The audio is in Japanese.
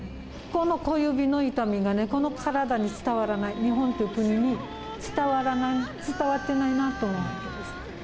この小指の痛みが、この体に伝わらない、日本という国に伝わらない、伝わってないと思うわけです。